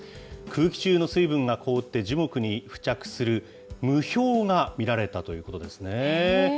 空気中の水分が凍って樹木に付着する、霧氷が見られたということですね。